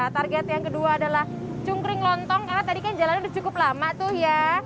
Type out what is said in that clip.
target yang kedua adalah cungkring lontong karena tadi kan jalannya udah cukup lama tuh ya